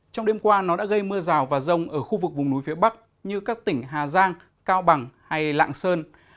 trong đêm qua nó đã gây mưa rào và rông ở khu vực vùng núi phía bắc như các tỉnh hà giang cao bằng hay lạng sơn